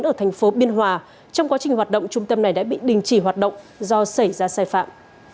ở thành phố biên hòa trong quá trình hoạt động trung tâm này đã bị đình chỉ hoạt động do xảy ra sai phạm